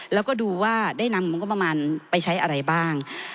แล้วก็ดูว่าได้นำงบประมาณไปใช้อะไรบ้าง